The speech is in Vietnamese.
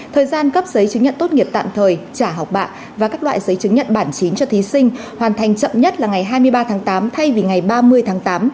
thời gian cấp giấy chứng nhận tốt nghiệp tạm thời trả học bạ và các loại giấy chứng nhận bản chín cho thí sinh hoàn thành chậm nhất là ngày hai mươi ba tháng tám thay vì ngày ba mươi tháng tám